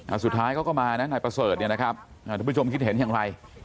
สุดท้ายเขาก็มานะนายประเสริฐเนี่ยนะครับอ่าทุกผู้ชมคิดเห็นอย่างไร